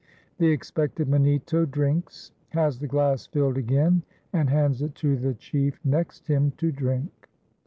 The expected Mannitto drinks, has the glass filled again and hands it to the chief next him to drink.